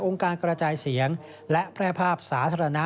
การกระจายเสียงและแพร่ภาพสาธารณะ